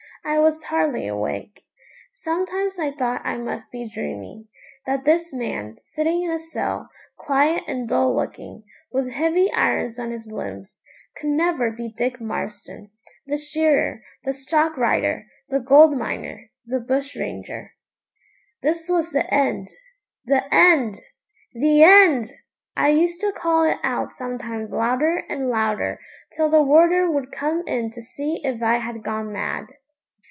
I was hardly awake. Sometimes I thought I must be dreaming that this man, sitting in a cell, quiet and dull looking, with heavy irons on his limbs, could never be Dick Marston, the shearer, the stock rider, the gold miner, the bush ranger. This was the end the end the end! I used to call it out sometimes louder and louder, till the warder would come in to see if I had gone mad.